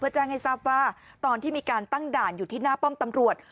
แจ้งให้ทราบว่าตอนที่มีการตั้งด่านอยู่ที่หน้าป้อมตำรวจ